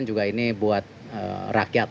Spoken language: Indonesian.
dan juga ini buat rakyat